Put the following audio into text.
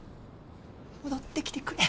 戻ってきてくれ。